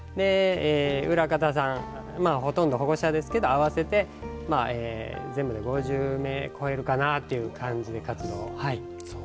裏方さん、ほとんど保護者ですけれども合わせて全部で５０名超えるかなというぐらいの感じで活動を。